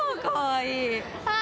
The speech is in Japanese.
はい。